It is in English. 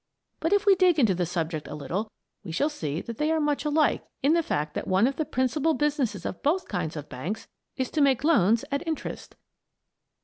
But if we dig into the subject a little we shall see that they are much alike in the fact that one of the principal businesses of both kinds of banks is to make loans at interest.